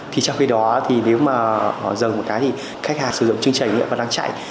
thì trong khi đó thì nếu mà họ dần một cái thì khách hàng sử dụng chương trình và đang chạy